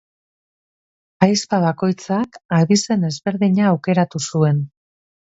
Ahizpa bakoitzak abizen ezberdina aukeratu zuen.